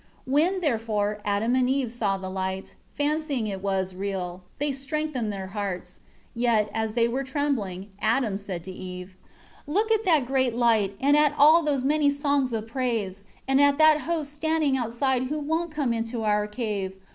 6 When, therefore, Adam and Eve saw the light, fancying it was real, they strengthened their hearts; yet, as they were trembling, Adam said to Eve: 7 "Look at that great light, and at those many songs of praise, and at that host standing outside who won't come into our cave.